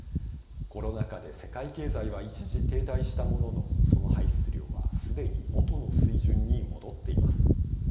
コロナ禍で世界経済は一時停滞したもののその排出量はすでに元の水準に戻っています。